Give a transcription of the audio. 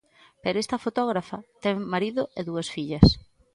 Pero esta fotógrafa ten marido e dúas fillas.